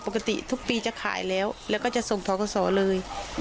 ปกติทุกปีจะขายแล้วแล้วก็จะส่งทกศเลย